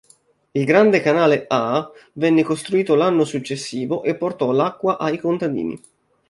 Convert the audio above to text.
Il grande canale "A" venne costruito l'anno successivo e portò l'acqua ai contadini.